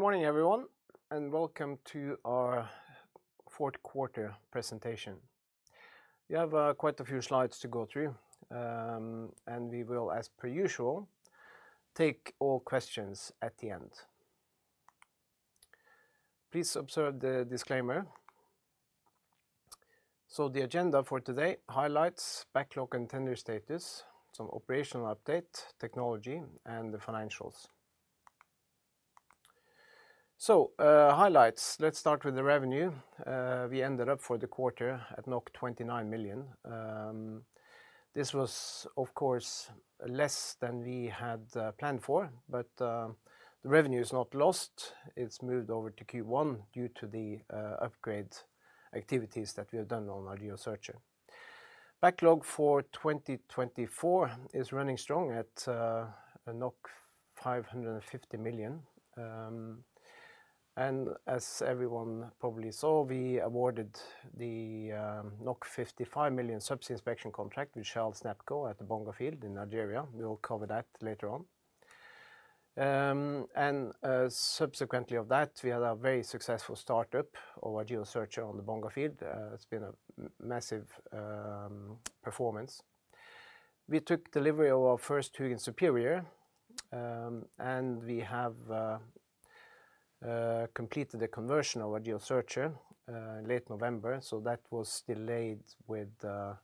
Good morning, everyone, and welcome to our fourth quarter presentation. We have quite a few slides to go through, and we will, as per usual, take all questions at the end. Please observe the disclaimer. So the agenda for today: highlights, backlog and tender status, some operational update, technology, and the financials. So, highlights. Let's start with the revenue. We ended up for the quarter at 29 million. This was, of course, less than we had planned for, but the revenue is not lost. It's moved over to Q1 due to the upgrade activities that we have done on our Argeo Searcher. Backlog for 2024 is running strong at 550 million. And as everyone probably saw, we awarded the 55 million subsea inspection contract with SNEPCo at the Bonga Field in Nigeria. We will cover that later on. And subsequently of that, we had a very successful startup of our Argeo Searcher on the Bonga Field. It's been a massive performance. We took delivery of our first Hugin Superior, and we have completed the conversion of our Argeo Searcher late November, so that was delayed with, weah,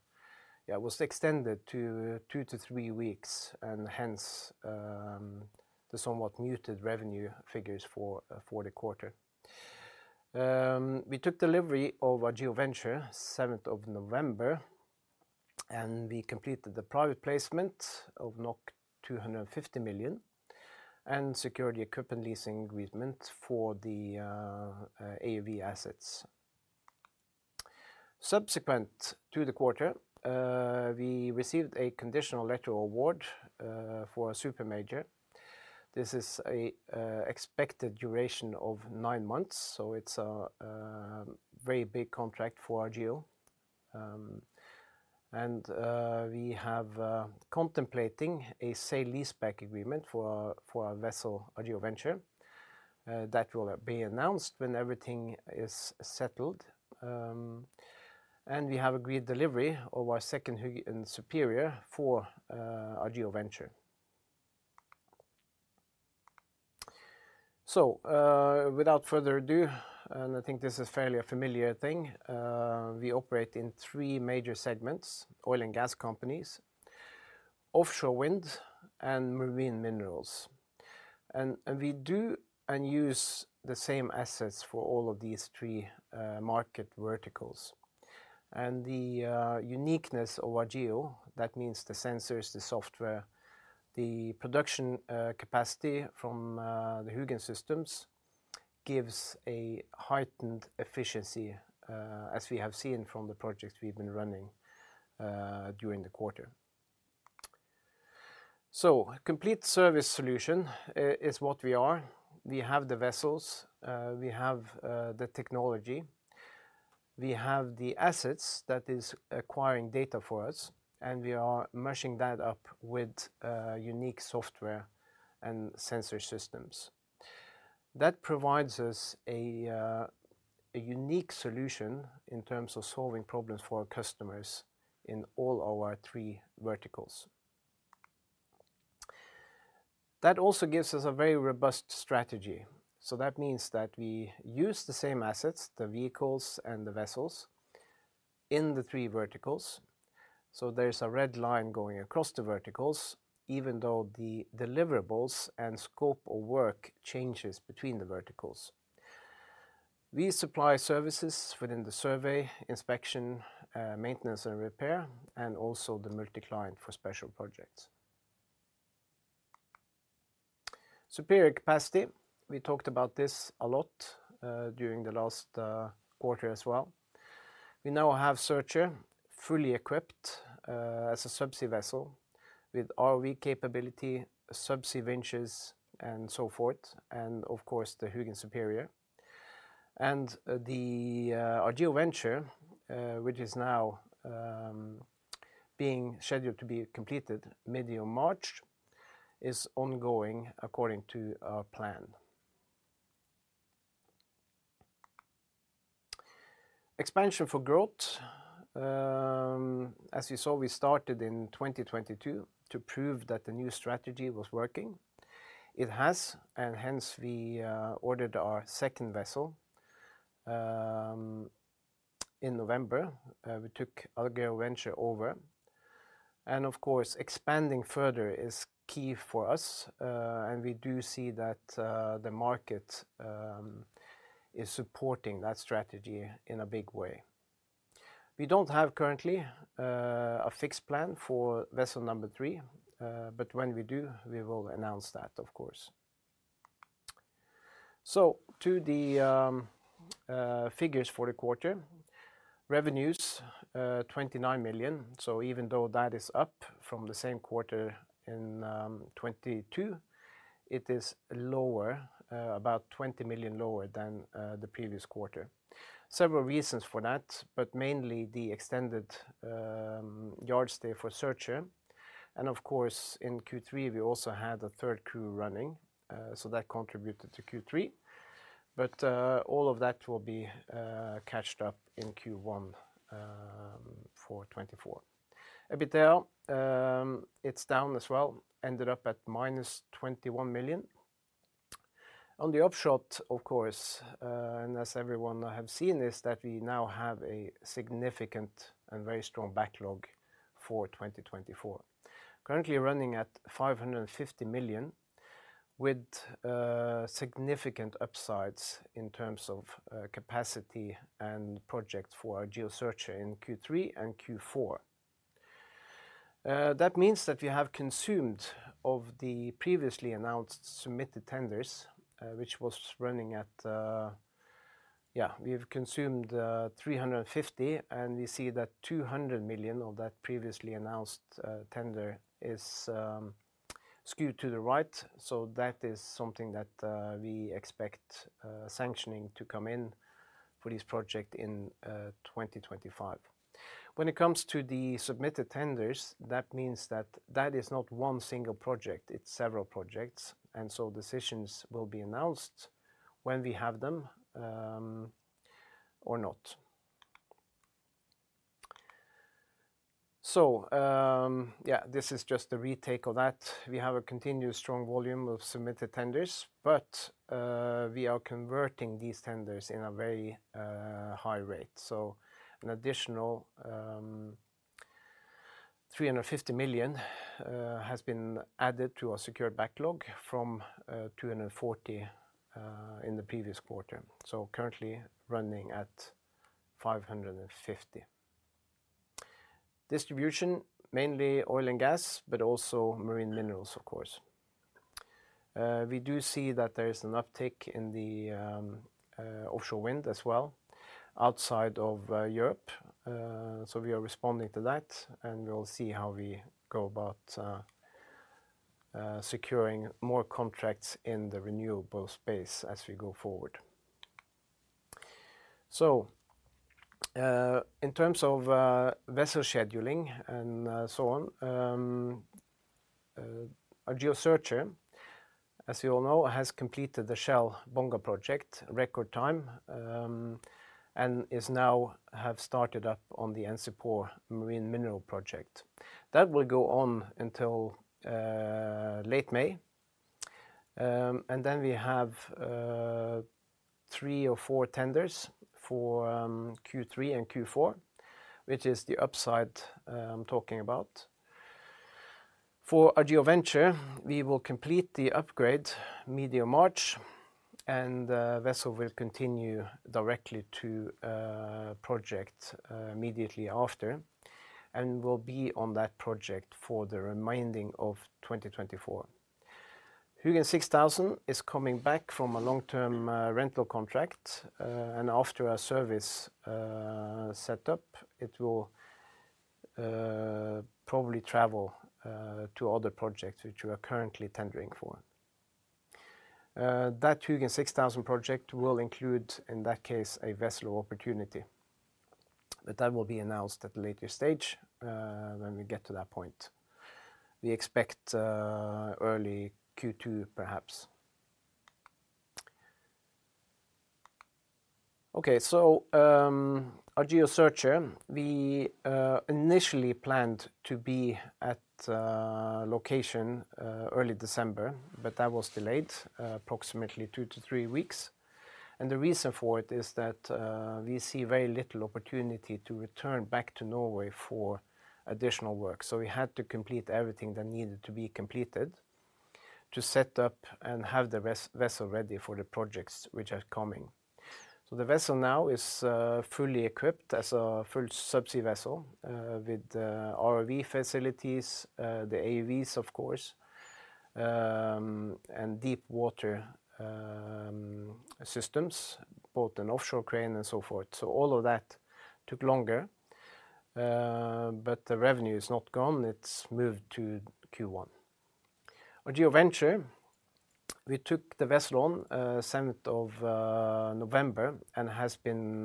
it was extended to two to three weeks, and hence, the somewhat muted revenue figures for the quarter. We took delivery of our Argeo Venture, 7th of November, and we completed the private placement of 250 million, and secured the equipment leasing agreement for the AUV assets. Subsequent to the quarter, we received a conditional letter award for a super major. This is a expected duration of nine months, so it's a very big contract for Argeo. We have contemplating a sale leaseback agreement for our vessel, Argeo Venture. That will be announced when everything is settled. We have agreed delivery of our second Hugin Superior for our Argeo Venture. So without further ado, and I think this is fairly a familiar thing, we operate in three major segments: oil and gas companies, offshore wind, and marine minerals. And we do and use the same assets for all of these three market verticals. And the uniqueness of our Argeo, that means the sensors, the software, the production capacity from the Hugin systems, gives a heightened efficiency as we have seen from the projects we've been running during the quarter. So complete service solution is what we are. We have the vessels, we have the technology, we have the assets that is acquiring data for us, and we are mashing that up with unique software and sensor systems. That provides us a unique solution in terms of solving problems for our customers in all our three verticals. That also gives us a very robust strategy, so that means that we use the same assets, the vehicles and the vessels, in the three verticals. So there's a red line going across the verticals, even though the deliverables and scope of work changes between the verticals. We supply services within the survey, inspection, maintenance and repair, and also the multi-client for special projects. Superior capacity, we talked about this a lot during the last quarter as well. We now have Argeo Searcher fully equipped as a subsea vessel with ROV capability, subsea winches, and so forth, and of course, the Hugin Superior. Our Argeo Venture, which is now being scheduled to be completed mid-March, is ongoing according to our plan. Expansion for growth. As you saw, we started in 2022 to prove that the new strategy was working. It has, and hence we ordered our second vessel. In November, we took our Argeo Searcher over, and of course, expanding further is key for us, and we do see that the market is supporting that strategy in a big way. We don't have currently a fixed plan for vessel number three, but when we do, we will announce that, of course. So to the figures for the quarter. Revenues 29 million. So even though that is up from the same quarter in 2022, it is lower, about 20 million lower than the previous quarter. Several reasons for that, but mainly the extended yard stay for Searcher, and of course, in Q3, we also had a third crew running, so that contributed to Q3, but all of that will be caught up in Q1 for 2024. EBITDA, it's down as well, ended up at minus 21 million. On the upshot, of course, and as everyone have seen, is that we now have a significant and very strong backlog for 2024. Currently running at 550 million, with significant upsides in terms of capacity and projects for our Argeo Searcher in Q3 and Q4. That means that we have consumed of the previously announced submitted tenders. Yeah, we have consumed 350, and we see that 200 million of that previously announced tender is skewed to the right. So that is something that we expect sanctioning to come in for this project in 2025. When it comes to the submitted tenders, that means that that is not one single project, it's several projects, and so decisions will be announced when we have them, or not. So, yeah, this is just a retake of that. We have a continuous strong volume of submitted tenders, but we are converting these tenders in a very high rate. So an additional 350 million has been added to our secure backlog from 240 in the previous quarter. So currently running at 550. Distribution, mainly oil and gas, but also marine minerals, of course. We do see that there is an uptick in the offshore wind as well, outside of Europe. So we are responding to that, and we'll see how we go about securing more contracts in the renewable space as we go forward. So, in terms of vessel scheduling and so on, our Argeo Searcher, as you all know, has completed the Shell Bonga project, record time, and is now have started up on the NCPOR Marine Mineral project. That will go on until late May. Then we have three or four tenders for Q3 and Q4, which is the upside talking about. For our Argeo Venture, we will complete the upgrade mid-March, and the vessel will continue directly to project immediately after, and will be on that project for the remaining of 2024. Hugin 6000 is coming back from a long-term rental contract, and after a service set up, it will probably travel to other projects which we are currently tendering for. That Hugin 6000 project will include, in that case, a vessel opportunity, but that will be announced at a later stage when we get to that point. We expect early Q2, perhaps. Okay, so, our Argeo Searcher, we initially planned to be at location early December, but that was delayed approximately 2-3 weeks. And the reason for it is that we see very little opportunity to return back to Norway for additional work. So we had to complete everything that needed to be completed to set up and have the vessel ready for the projects which are coming. So the vessel now is fully equipped as a full subsea vessel with ROV facilities, the AUV, of course, and deep water systems, both an offshore crane and so forth. So all of that took longer, but the revenue is not gone, it's moved to Q1. Our Argeo Venture, we took the vessel on 7th of November, and has been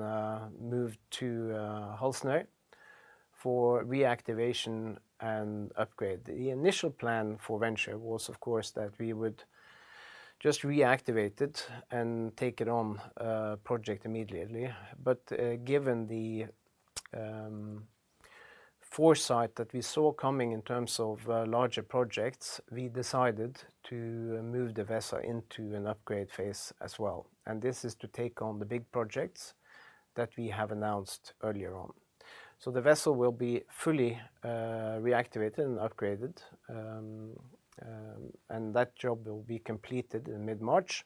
moved to Halsnøy for reactivation and upgrade. The initial plan for Venture was, of course, that we would just reactivate it and take it on project immediately. But given the foresight that we saw coming in terms of larger projects, we decided to move the vessel into an upgrade phase as well. And this is to take on the big projects that we have announced earlier on. So the vessel will be fully reactivated and upgraded, and that job will be completed in mid-March,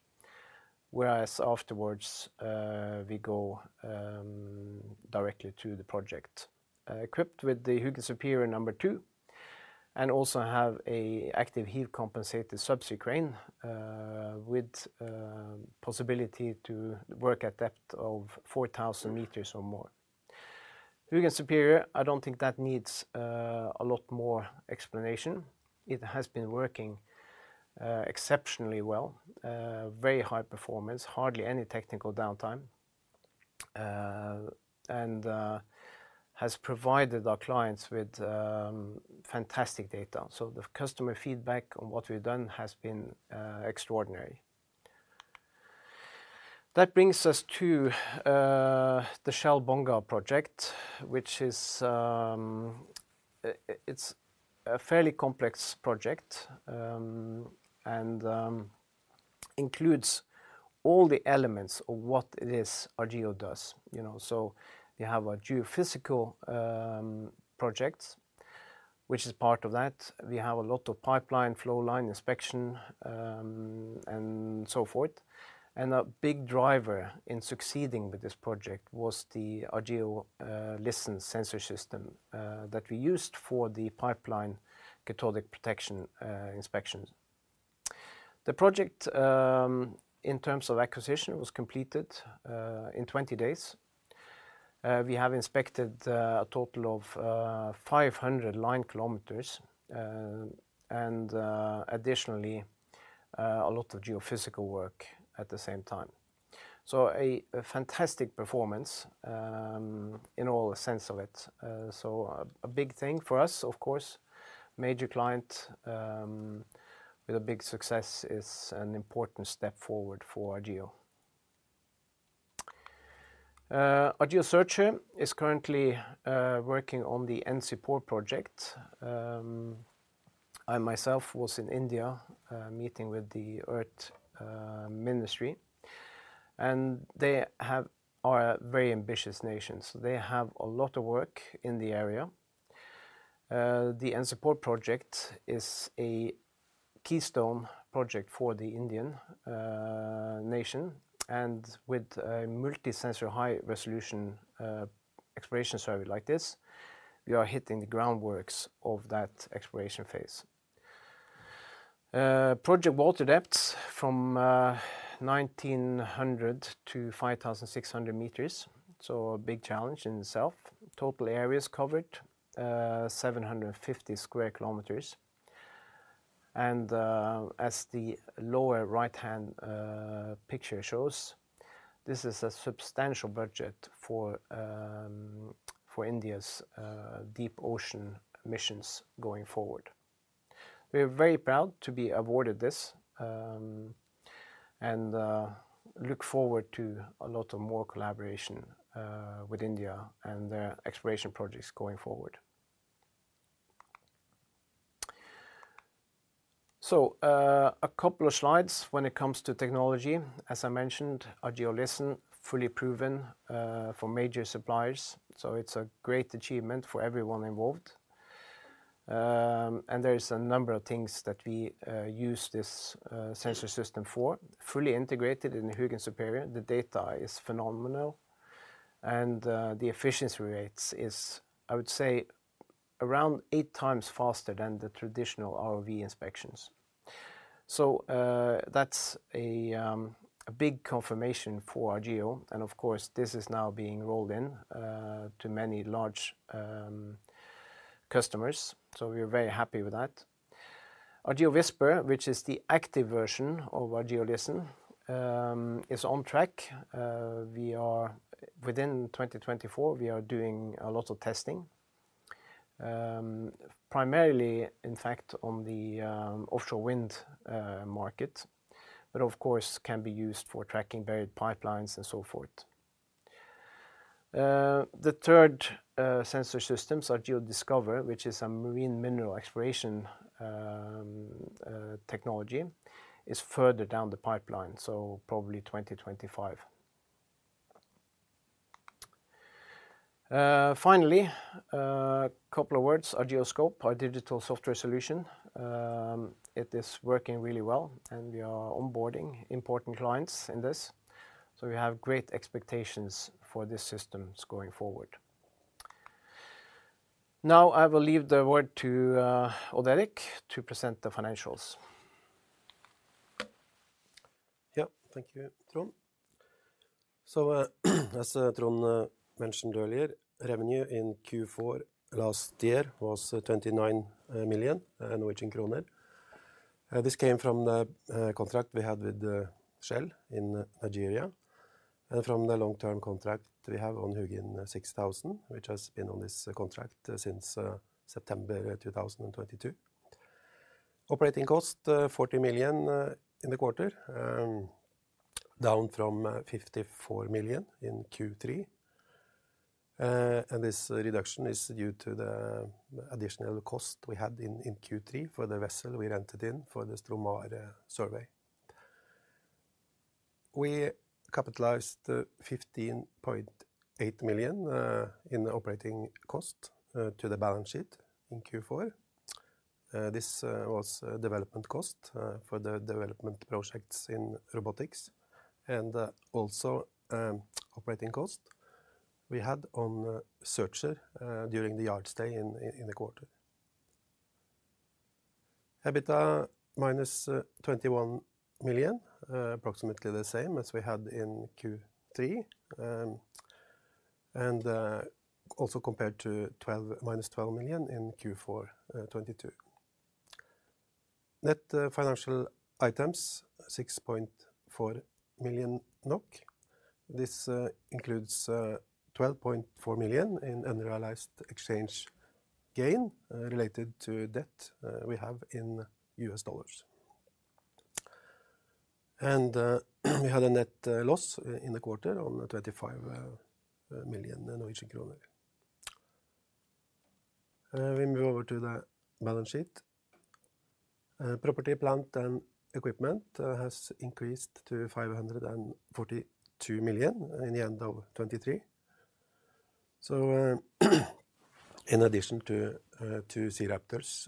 whereas afterwards we go directly to the project. Equipped with the Hugin Superior number two, and also have an active heave-compensated subsea crane with possibility to work at depth of 4,000 meters or more. Hugin Superior, I don't think that needs a lot more explanation. It has been working exceptionally well, very high performance, hardly any technical downtime, and has provided our clients with fantastic data. So the customer feedback on what we've done has been extraordinary. That brings us to the Shell Bonga project, which is, it's a fairly complex project, and includes all the elements of what it is Argeo does, you know. So we have a geophysical project, which is part of that. We have a lot of pipeline, flow line inspection, and so forth. And a big driver in succeeding with this project was the Argeo Listen sensor system that we used for the pipeline cathodic protection inspections. The project, in terms of acquisition, was completed in 20 days. We have inspected a total of 500 line kilometers and additionally a lot of geophysical work at the same time. So a fantastic performance in all sense of it. So a big thing for us, of course, major client with a big success is an important step forward for Argeo. Argeo Searcher is currently working on the NCPOR project. I myself was in India meeting with the Earth Ministry, and they are a very ambitious nation, so they have a lot of work in the area. The NCPOR project is a keystone project for the Indian nation, and with a multi-sensor, high resolution exploration survey like this, we are hitting the groundworks of that exploration phase. Project water depths from 1,900 to 5,600 meters, so a big challenge in itself. Total areas covered 750 square kilometers. As the lower right-hand picture shows, this is a substantial budget for for India's deep ocean missions going forward. We are very proud to be awarded this, and look forward to a lot of more collaboration with India and their exploration projects going forward. A couple of slides when it comes to technology. As I mentioned, Argeo Listen, fully proven for major suppliers, so it's a great achievement for everyone involved. And there is a number of things that we use this sensor system for. Fully integrated in the Hugin Superior, the data is phenomenal, and the efficiency rates is, I would say, around eight times faster than the traditional ROV inspections. So, that's a big confirmation for Argeo, and of course, this is now being rolled in to many large customers, so we're very happy with that. Argeo Whisper, which is the active version of Argeo Listen, is on track. We are within 2024, we are doing a lot of testing, primarily, in fact, on the offshore wind market, but of course, can be used for tracking buried pipelines and so forth. The third sensor system, so Argeo Discover, which is a marine mineral exploration technology, is further down the pipeline, so probably 2025. Finally, a couple of words, Argeo Scope, our digital software solution. It is working really well, and we are onboarding important clients in this, so we have great expectations for these systems going forward. Now, I will leave the word to Odd Erik to present the financials. Yeah. Thank you, Trond. So, as Trond mentioned earlier, revenue in Q4 last year was 29 million Norwegian kroner. This came from the contract we had with Shell in Nigeria, and from the long-term contract we have on Hugin 6000, which has been on this contract since September 2022. Operating cost 40 million in the quarter, down from 54 million in Q3. This reduction is due to the additional cost we had in Q3 for the vessel we rented in for the Stromar survey. We capitalized 15.8 million in the operating cost to the balance sheet in Q4. This was a development cost for the development projects in robotics, and also operating cost we had on Searcher during the yard stay in the quarter. EBITDA -21 million, approximately the same as we had in Q3. Also compared to -12 million in Q4 2022. Net financial items, 6.4 million NOK. This includes 12.4 million in unrealized exchange gain related to debt we have in US dollars. We had a net loss in the quarter of 35 million Norwegian kroner. We move over to the balance sheet. Property, plant, and equipment has increased to 542 million at the end of 2023. So, in addition to two SeaRaptors,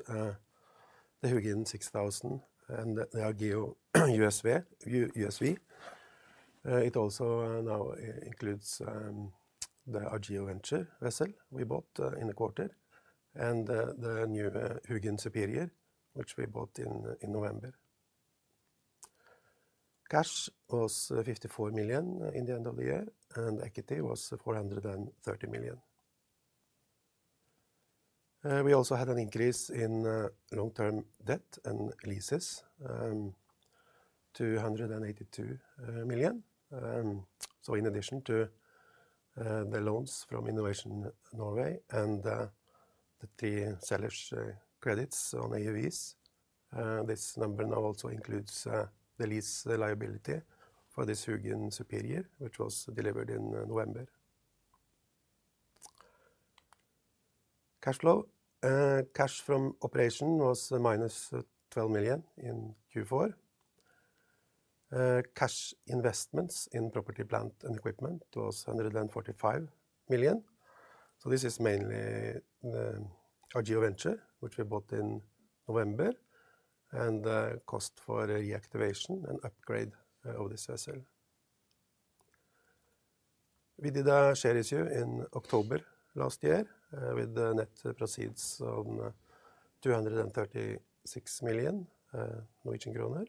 the Hugin 6000, and the Argeo USV. It also now includes the Argeo Venture vessel we bought in the quarter, and the new Hugin Superior, which we bought in November. Cash was 54 million at the end of the year, and equity was 430 million. We also had an increase in long-term debt and leases to 182 million. So in addition to the loans from Innovation Norway and the three sellers' credits on AUVs, this number now also includes the lease liability for the Hugin Superior, which was delivered in November. Cash flow. Cash from operation was -12 million in Q4. Cash investments in property, plant, and equipment was 145 million. So this is mainly Argeo Venture, which we bought in November, and cost for reactivation and upgrade of this vessel. We did a share issue in October last year with the net proceeds on 236 million Norwegian kroner.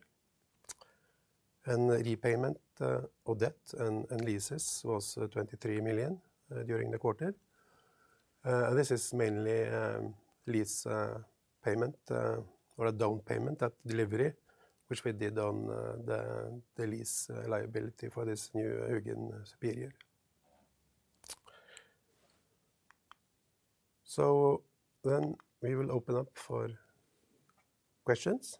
Repayment of debt and leases was 23 million during the quarter. This is mainly lease payment or a down payment at delivery, which we did on the lease liability for this new Hugin Superior. So then we will open up for questions.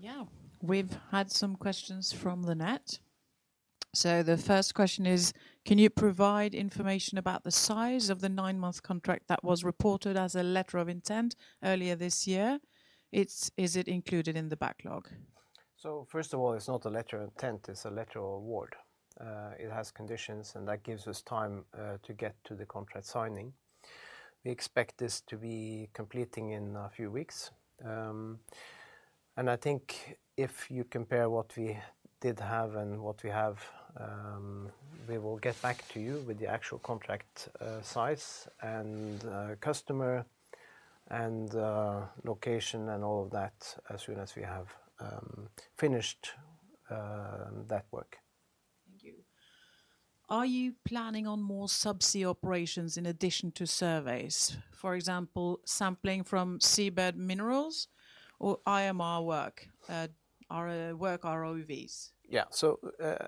Yeah. We've had some questions from the net. So the first question is: Can you provide information about the size of the nine-month contract that was reported as a letter of intent earlier this year? It's, is it included in the backlog? So first of all, it's not a letter of intent, it's a letter of award. It has conditions, and that gives us time to get to the contract signing. We expect this to be completing in a few weeks. And I think if you compare what we did have and what we have, we will get back to you with the actual contract size, and customer, and location, and all of that, as soon as we have finished that work. Thank you. Are you planning on more subsea operations in addition to surveys? For example, sampling from seabed minerals or IMR work, our work ROVs. Yeah. So,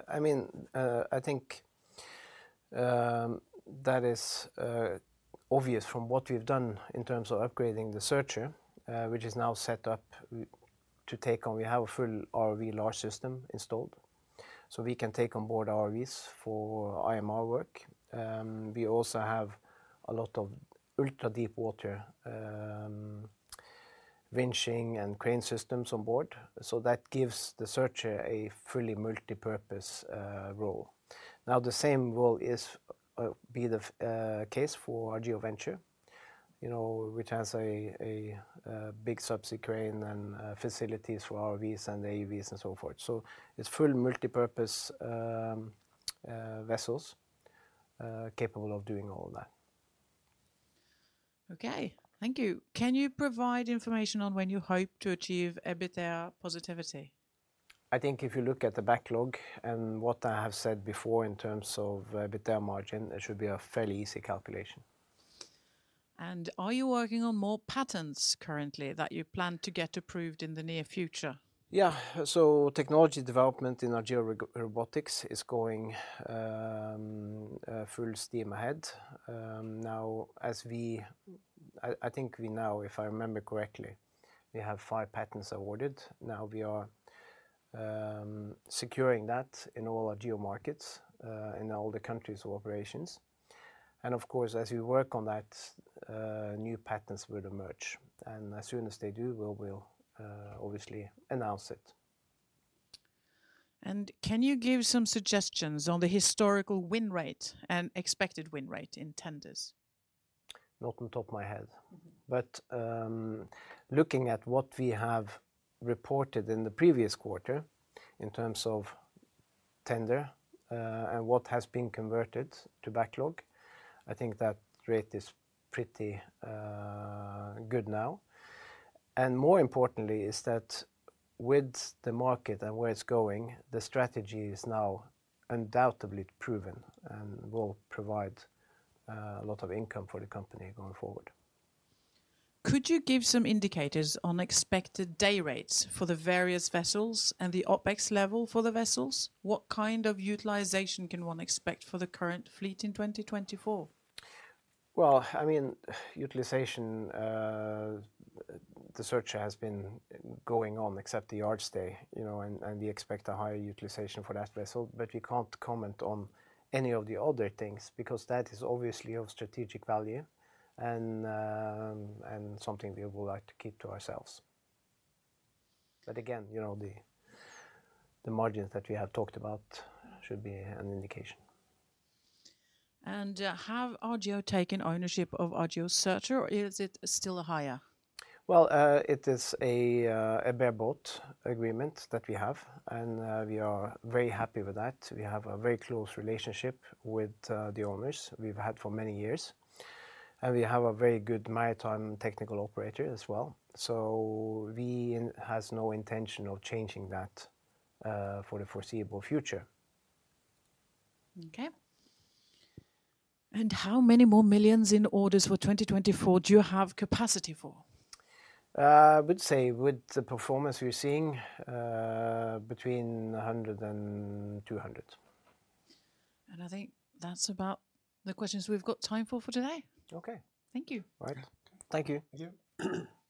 I mean, I think that is obvious from what we've done in terms of upgrading the Searcher, which is now set up to take on. We have a full ROV large system installed, so we can take on board ROVs for IMR work. We also have a lot of ultra-deep water winching and crane systems on board, so that gives the Searcher a fully multipurpose role. Now, the same role is be the case for Argeo Venture, you know, which has a big subsea crane and facilities for ROVs and AUVs and so forth. So it's full multipurpose vessels capable of doing all that. Okay, thank you. Can you provide information on when you hope to achieve EBITDA positivity? I think if you look at the backlog and what I have said before in terms of EBITDA margin, it should be a fairly easy calculation. Are you working on more patents currently that you plan to get approved in the near future? Yeah. So technology development in Argeo Robotics is going full steam ahead. Now, as we, I think we now, if I remember correctly, we have five patents awarded. Now we are securing that in all Argeo markets, in all the countries of operations. And of course, as we work on that, new patents will emerge, and as soon as they do, we will obviously announce it. Can you give some suggestions on the historical win rate and expected win rate in tenders? Not off the top of my head. Looking at what we have reported in the previous quarter in terms of tender, and what has been converted to backlog, I think that rate is pretty good now. More importantly, with the market and where it's going, the strategy is now undoubtedly proven and will provide a lot of income for the company going forward. Could you give some indicators on expected day rates for the various vessels and the OpEx level for the vessels? What kind of utilization can one expect for the current fleet in 2024? Well, I mean, utilization, the Searcher has been going on except the yard stay, you know, and, and we expect a hired utilization for that vessel. But we can't comment on any of the other things because that is obviously of strategic value and, and something we would like to keep to ourselves. But again, you know, the, the margins that we have talked about should be an indication. Have Argeo taken ownership of Argeo Searcher, or is it still hired? Well, it is a bareboat agreement that we have, and we are very happy with that. We have a very close relationship with the owners. We've had for many years, and we have a very good maritime technical operator as well, so we has no intention of changing that, for the foreseeable future. Okay. How many more millions in orders for 2024 do you have capacity for? I would say, with the performance we're seeing, between 100 and 200. I think that's about the questions we've got time for today. Okay. Thank you. All right. Thank you. Thank you.